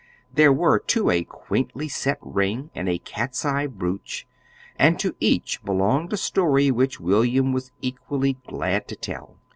There were, too, a quaintly set ring and a cat's eye brooch; and to each belonged a story which William was equally glad to tell.